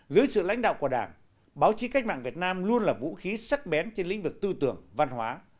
dưới sự lãnh đạo của đảng báo chí cách mạng việt nam luôn là vũ khí sắc bén trên lĩnh vực tư tưởng văn hóa